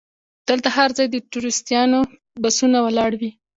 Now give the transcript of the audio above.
دلته هر ځای د ټوریستانو بسونه ولاړ وي.